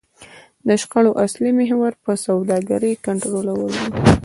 د شخړو اصلي محور پر سوداګرۍ کنټرول و.